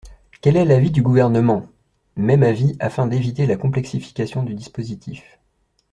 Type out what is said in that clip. Quel est l’avis du Gouvernement ? Même avis, afin d’éviter la complexification du dispositif.